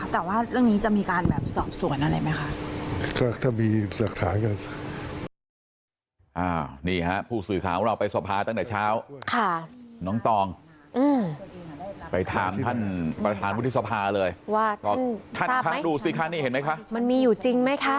แต่ว่าเรื่องนี้จะมีการแบบสอบสวนอะไรไหมคะ